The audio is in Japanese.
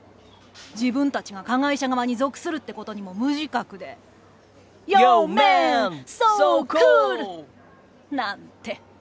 自分たちが加害者側に属するってことにも無自覚でなんて。